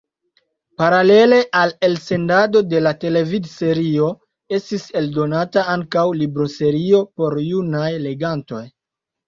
Paralele al elsendado de la televidserio estis eldonata ankaŭ libroserio por junaj legantoj.